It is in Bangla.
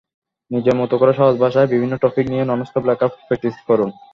নিজের মতো করে সহজ ভাষায় বিভিন্ন টপিক নিয়ে ননস্টপ লেখার প্র্যাকটিস করুন।